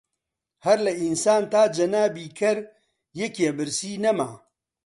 هەر لە ئینسان تا جەنابی کەر یەکێ برسی نەما